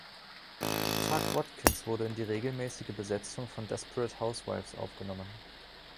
Tuc Watkins wurde in die regelmäßige Besetzung von "Desperate Housewives" aufgenommen.